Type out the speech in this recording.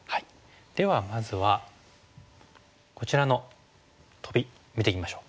ではまずはこちらのトビ見ていきましょう。